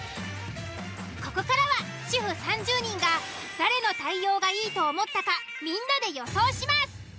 ここからは主婦３０人が誰の対応がいいと思ったかみんなで予想します。